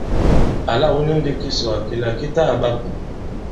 Àla wu ni ndī kisùwà kila ki ta kaɓa bù !